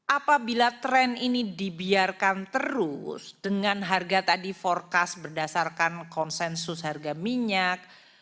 apabila tren ini dibiarkan terus dengan harga tadi forecast berdasarkan konsensus harga minyak